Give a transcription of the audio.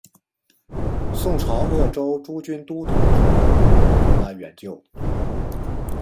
宋朝鄂州诸军都统制孟珙回来援救。